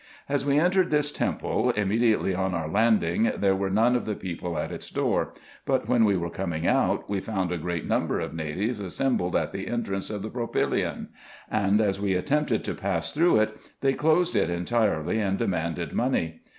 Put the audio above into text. As we entered this temple immediately on our landing, there were none of the people at its door : but when we were coming out, we found a great number of natives assembled at the entrance of the propylason ; and as we attempted to pass through it, they closed it entirely, and demanded money.